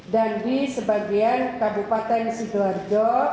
dan di sebagian kabupaten sigelardo